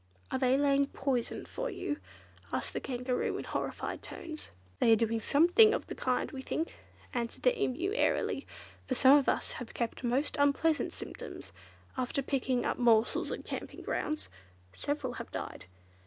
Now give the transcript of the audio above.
"Are they laying poison for you?" asked the Kangaroo in horrified tones. "They are doing something of the kind, we think," answered the Emu airily, "for some of us have had most unpleasant symptoms after picking up morsels at camping grounds. Several have died.